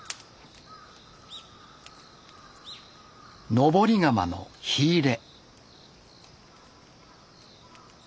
登り窯の火入れ。